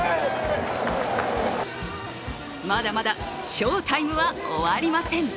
まだまだ翔タイムは終わりません。